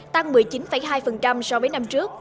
tăng một mươi chín hai so với năm trước